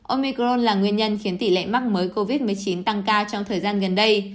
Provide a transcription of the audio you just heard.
omicron là nguyên nhân khiến tỷ lệ mắc mới covid một mươi chín tăng cao trong thời gian gần đây